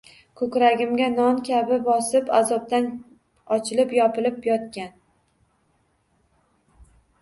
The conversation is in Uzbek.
Ko’kragimga non kabi bosib, azobdan ochilib-yopilib yotgan